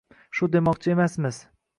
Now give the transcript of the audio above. shu demoqchi emasmiz